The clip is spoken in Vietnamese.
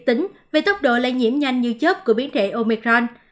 tính về tốc độ lây nhiễm nhanh như chớp của biến thể omicron